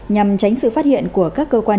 nhằm tránh sự phát hiện của các cơ quan